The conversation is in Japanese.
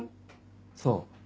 そう。